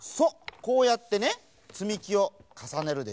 こうやってねつみきをかさねるでしょ？